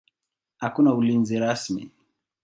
Hakuna ulinzi rasmi.